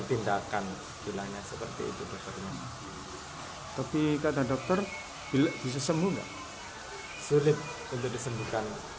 tindakan gilanya seperti itu dokter tapi kata dokter bila bisa sembuhnya sulit untuk disembuhkan